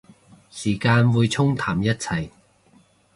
時間會沖淡一切